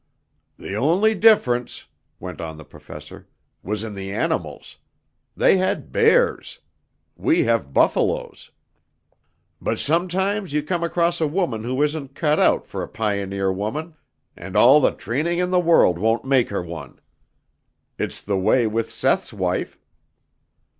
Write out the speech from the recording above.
"The only difference," went on the Professor, "was in the animals. They had bears. We have buffaloes. But sometimes you come across a woman who isn't cut out for a pioneer woman, and all the training in the world won't make her one. It's the way with Seth's wife."